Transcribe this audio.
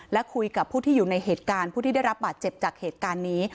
และคุยกับผู้ที่อยู่ในเหตุการณ์ผู้ที่ได้รับบาดเจ็บจากเหตุการณ์นี้